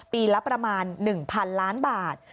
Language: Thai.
ปีละประมาณ๑๐๐๐ล้านบาท